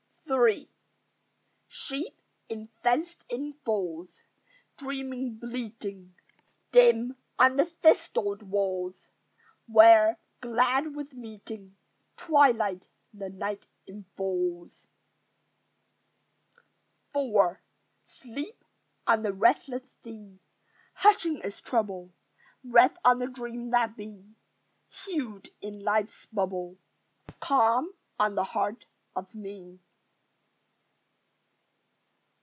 III Sheep in the fenced in folds Dreamily bleating, Dim on the thistled wolds, Where, glad with meeting, Twilight the Night enfolds. IV Sleep on the restless sea Hushing its trouble: Rest on the dreams that be Hued in Life's bubble: Calm on the heart of me.